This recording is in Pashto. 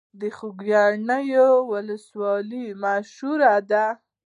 د خوږیاڼیو ولسوالۍ مشهوره ده